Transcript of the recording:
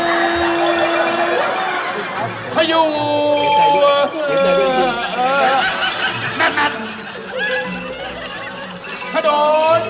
แม่หน้าของพ่อหน้าของพ่อหน้า